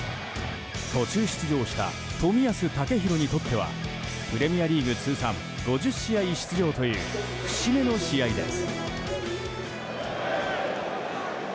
途中出場した冨安健洋にとってはプレミアリーグ通算５０試合出場という節目の試合です。